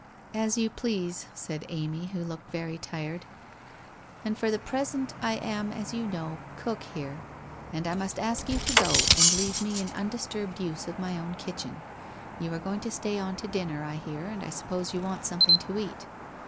' As you please,' said Amy, who looked very tired. ' And for the present I am, as you know, cook here, and I must ask you to go and leave me in undisturbed use of my own kitchen. You are going to stay on to dinner, I hear, and I suppose you want something to eat?